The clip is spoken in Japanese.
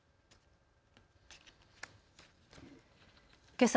けさ